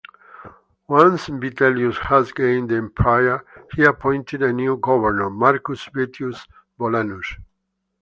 Once Vitellius had gained the empire he appointed a new governor, Marcus Vettius Bolanus.